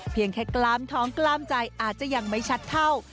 เพียงแค่กล้ามท้องกล้ามใจอาจจะยังไม่ชัดเท่า